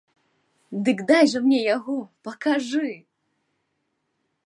Дык дай жа мне яго, пакажы!